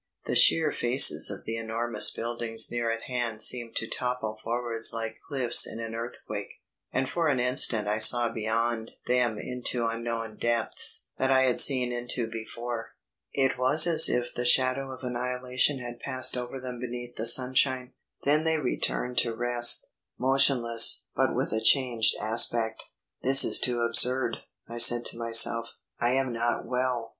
The sheer faces of the enormous buildings near at hand seemed to topple forwards like cliffs in an earthquake, and for an instant I saw beyond them into unknown depths that I had seen into before. It was as if the shadow of annihilation had passed over them beneath the sunshine. Then they returned to rest; motionless, but with a changed aspect. "This is too absurd," I said to myself. "I am not well."